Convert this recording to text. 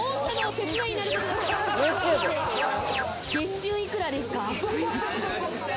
月収いくらですか？